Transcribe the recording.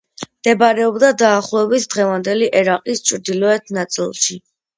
მდებარეობდა დაახლოებით დღევანდელი ერაყის ჩრდილოეთ ნაწილში.